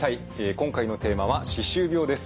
今回のテーマは「歯周病」です。